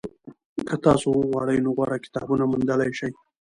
که تاسو وغواړئ نو غوره کتابونه موندلی شئ.